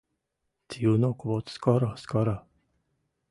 Тиунок вот скоро, скоро